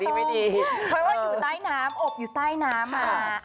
เพราะว่าอยู่ใต้น้ำอบอยู่ใต้น้ำมา